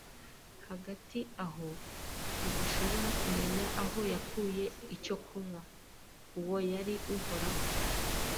Hagati aho, ntidushobora kumenya aho yakuye icyo kunywa. Uwo yari Uhoraho